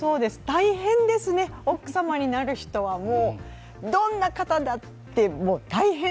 大変ですね、奥様になる人はもう、どんな方だって大変。